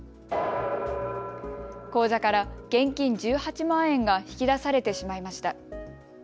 口座から現金１８万円が引き出されてしまいました。